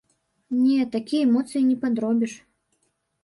Не, такія эмоцыі не падробіш.